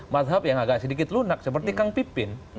mazhab yang agak sedikit lunak seperti kang pipin